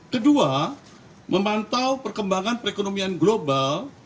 kedua memantau perkembangan perekonomian global